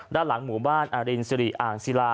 ด้านหลังหมู่บ้านอรินสิริอ่างศิลา